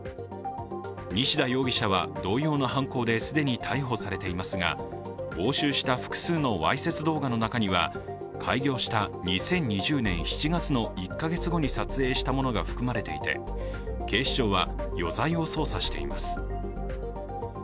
西田容疑者は同様の犯行で既に逮捕されていますが押収した複数のわいせつ動画の中には開業した２０２０年７月の１か月後に撮影したものが含まれていて警視庁は余罪を捜査しています。